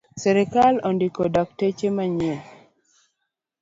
Sirkal ondiko dakteche manyien